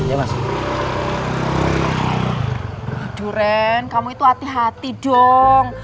aduh ren kamu itu hati hati dong